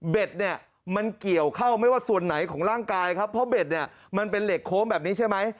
เนี่ยมันเกี่ยวเข้าไม่ว่าส่วนไหนของร่างกายครับเพราะเบ็ดเนี่ยมันเป็นเหล็กโค้งแบบนี้ใช่ไหม